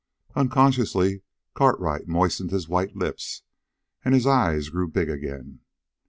Unconsciously Cartwright moistened his white lips, and his eyes grew big again.